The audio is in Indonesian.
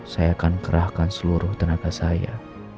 saya akan kerahkan seluruh tenaga saya